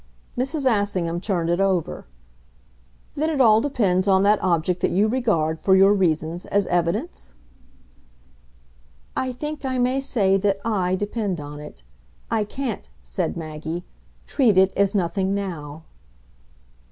Mrs. Assingham turned it over. "Then it all depends on that object that you regard, for your reasons, as evidence?" "I think I may say that I depend on it. I can't," said Maggie, "treat it as nothing now."